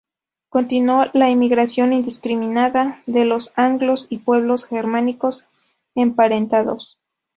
Continuó la emigración indiscriminada de los anglos y pueblos germánicos emparentados.